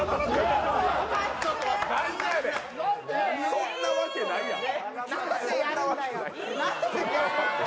そんなわけないやん。